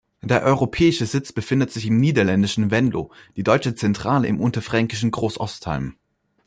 Der europäische Sitz befindet sich im niederländischen Venlo, die deutsche Zentrale im unterfränkischen Großostheim.